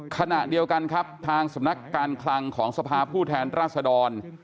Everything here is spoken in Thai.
ขณะเดียวกันครับทางสำนักการคลังของสภาผู้แทนราษดร